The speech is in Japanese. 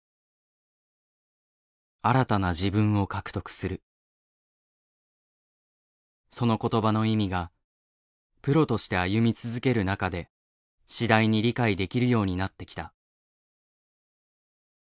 そういう意味でもその言葉の意味がプロとして歩み続ける中で次第に理解できるようになってきた。